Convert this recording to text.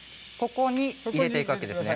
こちらに入れていくわけですね。